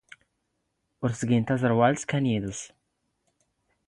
ⵓⵔ ⵜⴳⵉⵏ ⵜⵥⵔⵡⴰⵍⵜ ⴽⴰ ⵏ ⵢⵉⴹⵙ.